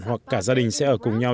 hoặc cả gia đình sẽ ở cùng nhau